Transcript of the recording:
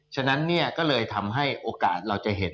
ฉะนั้นเนี่ยก็เลยทำให้โอกาสเราจะเห็น